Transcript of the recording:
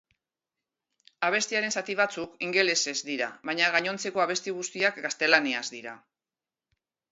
Abestiaren zati batzuk ingelesez dira baina gainontzeko abesti guztiak gaztelaniaz dira.